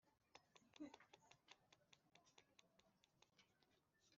kwimurirwa ahandi byemejwe n Inteko Rusange